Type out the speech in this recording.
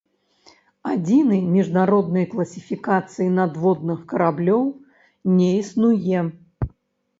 Адзінай міжнароднай класіфікацыі надводных караблёў не існуе.